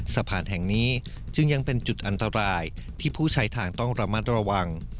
สะพานแห่งนี้จึงยังเป็นจุดอันตรายที่ผู้ใช้ทางต้องระมัดระวัง